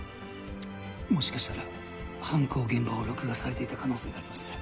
もしかしたら犯行現場を録画されていた可能性があります。